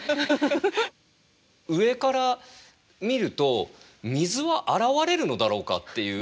上から見ると水は現れるのだろうかっていう。